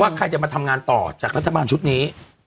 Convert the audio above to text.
ใครจะมาทำงานต่อจากรัฐบาลชุดนี้